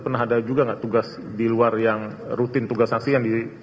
pernah ada juga nggak tugas di luar yang rutin tugas sanksi yang di